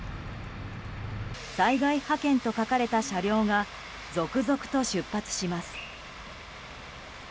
災害派遣と書かれた車両が続々と出発します。